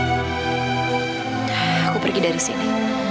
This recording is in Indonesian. aku pergi dari sini